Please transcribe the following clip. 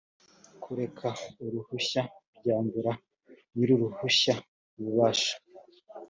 kureka uruhushya byambura nyiruruhushya ububasha